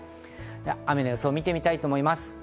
雨の予想を見てみたいと思います。